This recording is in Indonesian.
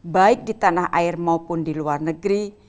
baik di tanah air maupun di luar negeri